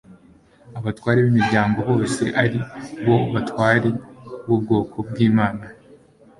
abatware b imiryango bose ari bo batware bubwoko bw 'imana